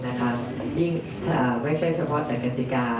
ยิ่งไม่ใช่เฉพาะแต่กติกา